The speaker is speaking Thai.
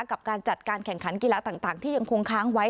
กับการจัดการแข่งขันกีฬาต่างที่ยังคงค้างไว้